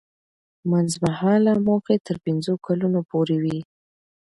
منځمهاله موخې تر پنځو کلونو پورې وي.